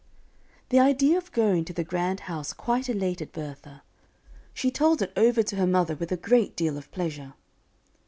The idea of going to the grand house quite elated Bertha. She told it over to her mother with a great deal of pleasure.